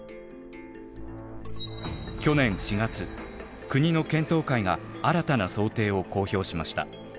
去年４月国の検討会が新たな想定を公表しました。